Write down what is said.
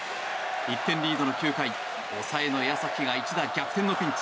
１点リードの９回抑えの矢崎が一打逆転のピンチ。